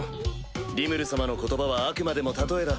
リムル様の言葉はあくまでも例えだ。